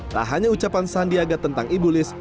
tak hanya ucapan sandiaga tentang ibu liz